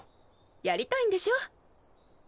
やりたいんでしょ？